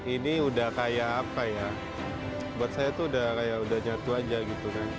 ini udah kayak apa ya buat saya tuh udah kayak udah nyatu aja gitu kan